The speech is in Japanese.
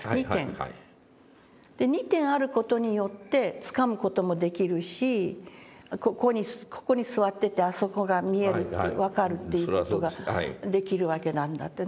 で２点ある事によってつかむ事もできるしここに座っててあそこが見えるって分かるっていう事ができるわけなんだってね。